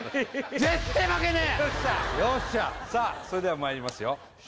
それではまいりますよ